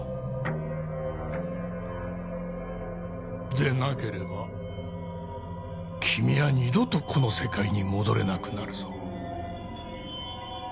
でなければ君は二度とこの世界に戻れなくなるぞ。